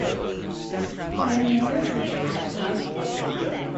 To remain a part of Afghanistan's ecosystem, its habitat needs to be conserved.